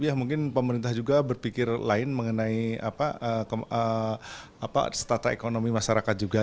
ya mungkin pemerintah juga berpikir lain mengenai tata ekonomi masyarakat juga